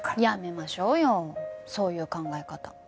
やめましょうよそういう考え方。